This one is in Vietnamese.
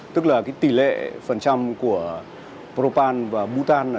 tức là cái tỷ lệ phần trăm của propane và butane